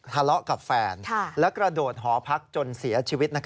ทะเลาะกับแฟนและกระโดดหอพักจนเสียชีวิต